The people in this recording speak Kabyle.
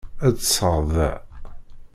Ad ṭṭseɣ da.